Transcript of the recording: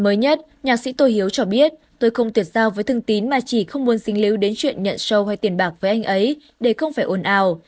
mới nhất nhạc sĩ tô hiếu cho biết tôi không tuyệt giao với thương tín mà chỉ không muốn dính líu đến chuyện nhận show hay tiền bạc với anh ấy để không phải ồn ào